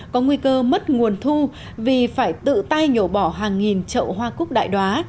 có nguy cơ mất nguồn thu vì phải tự tay nhổ bỏ hàng nghìn trậu hoa cúc đại đoá